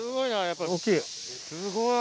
すごい。